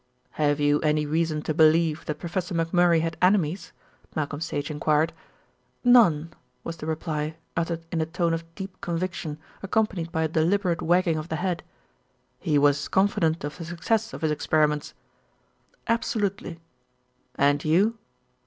"Have you any reason to believe that Professor McMurray had enemies?" Malcolm Sage enquired. "None," was the reply, uttered in a tone of deep conviction, accompanied by a deliberate wagging of the head. "He was confident of the success of his experiments?" "Absolutely." "And you?"